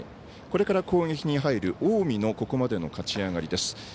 これから攻撃に入る近江のここまでの勝ち上がりです。